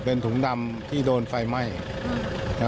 เป็นถุงดำที่โดนไฟไหม้